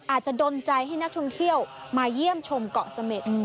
อาจจะดนใจให้นักท่องเที่ยวมาเยี่ยมชมเกาะเสม็ด